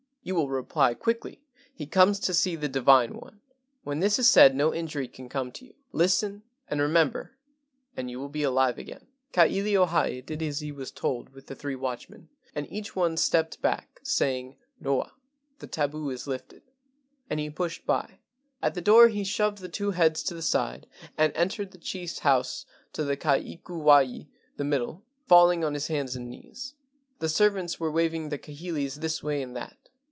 You will reply quickly, 'He comes to see the Divine One.' When this is said no injury will come to you. Listen and remember and you will be alive again." Ka ilio hae did as he was told with the three watchmen, and each one stepped back, saying, "Noa" (the tabu is lifted), and he pushed by. At the door he shoved the two heads to the side and entered the chief's house to the ka ikuwai (the middle), falling on his hands and knees. The servants were waving the kahilis this way and that.